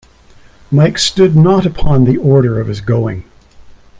Mike stood not upon the order of his going.